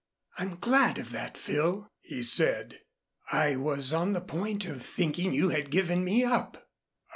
"I'm glad of that, Phil," he said. "I was on the point of thinking you had given me up."